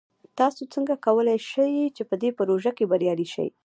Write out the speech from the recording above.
تاسو څنګه کولی شئ چې په دې پروژه کې بریالي شئ؟